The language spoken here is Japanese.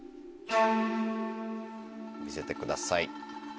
見せてください。